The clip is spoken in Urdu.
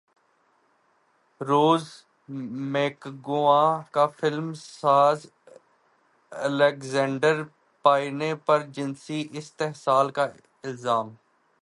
روز میکگواں کا فلم ساز الیگزینڈر پائنے پرجنسی استحصال کا الزام